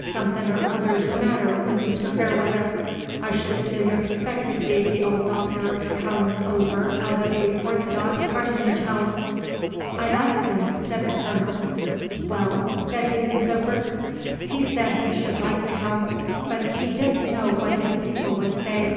Somethin' or other's the matter with Mr. Fairweather. I should sooner expect to see the old Doctor come over out of the Orthodox parsonage house." "I've asked him," said the Colonel. "Well?" said Deacon Soper. "He said he should like to come, but he did n't know what his people would say.